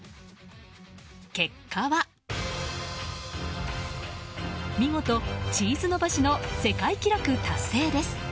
結果は、見事チーズ伸ばしの世界記録達成です。